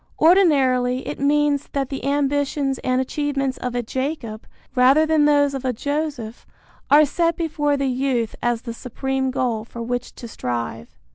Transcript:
Ordinarily it means that the ambitions and achievements of a Jacob, rather than those of a Joseph, are set before the youth as the supreme goal for which to strive.